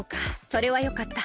それはよかった。